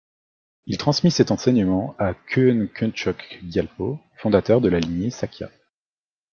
Il transmit cet enseignement à Khön Köntchok Gyalpo, fondateur de la lignée Sakya.